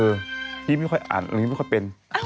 พี่ไม่ค่อยอ่านตรงนี้ไม่ค่อยเป็น